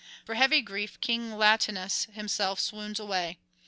For heavy grief King Latinus himself swoons away.